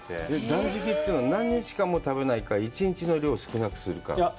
断食というのは、何日間も食べないのか、１日の量少なくするか。